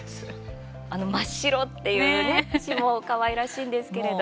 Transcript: あの「まっ白」っていうね詩もかわいらしいんですけれど。